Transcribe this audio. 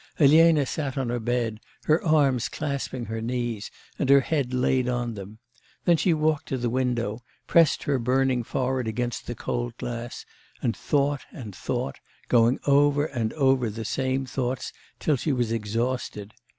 Elena sat on her bed, her arms clasping her knees, and her head laid on them; then she walked to the window, pressed her burning forehead against the cold glass, and thought and thought, going over and over the same thoughts till she was exhausted.